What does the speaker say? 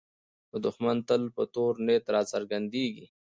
دښمن تل په تور نیت راڅرګندېږي